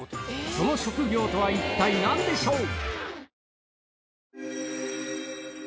その職業とは一体何でしょう？